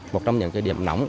một trong những điểm nóng